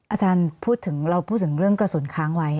อาจารย์พูดถึงเราพูดถึงเรื่องกระสุนค้างไว้